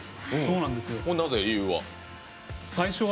なぜ、理由は？